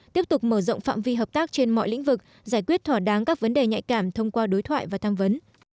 tiếp tục mở rộng phạm vi hợp tác trên mọi lĩnh vực giải quyết thỏa đáng các vấn đề nhạy cảm thông qua đối thoại và tham vấn